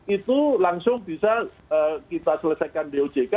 itu langsung bisa kita selesaikan dojk